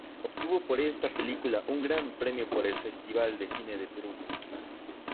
Obtuvo por esta película un gran premio en el Festival de Cine de Perugia.